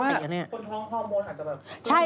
คนท้องธรรมน์อาจจะแบบ